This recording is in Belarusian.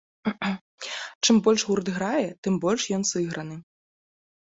Чым больш гурт грае, тым больш ён сыграны.